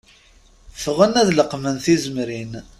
Ffɣen ad leqmen tizemrin.